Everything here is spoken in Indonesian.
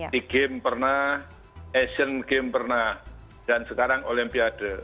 di game pernah asian game pernah dan sekarang olimpiade